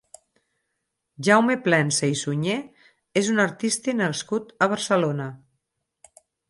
Jaume Plensa i Suñé és un artista nascut a Barcelona.